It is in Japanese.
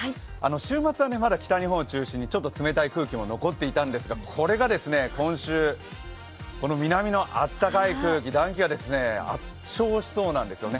週末はまだ北日本を中心にちょっと冷たい空気も残っていたんですが、これが、今週、南の暖かい空気暖気が圧勝しそうなんですよね。